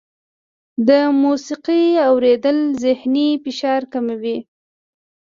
د موسیقۍ اورېدل ذهني فشار کموي.